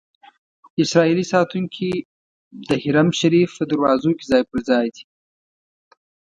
اسرائیلي ساتونکي د حرم شریف په دروازو کې ځای پر ځای دي.